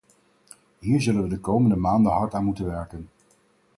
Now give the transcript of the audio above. Hier zullen we de komende maanden hard aan moeten werken.